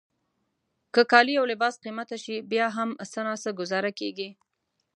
که کالي او لباس قیمته شي بیا هم څه ناڅه ګوزاره کیږي.